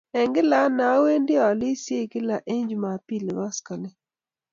Eng kila ane awendi alisiet kila eng jumambili koskoling